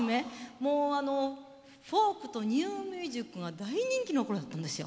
もうフォークとニューミュージックが大人気の頃だったんですよ。